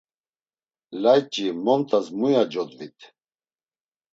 Layç̌i montas muya codvit?